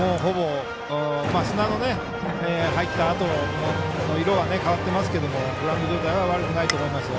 砂の入ったあとの色は変わってますけどグラウンド状態は悪くないと思いますよ。